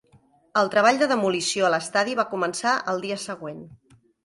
El treball de demolició a l'estadi va començar al dia següent.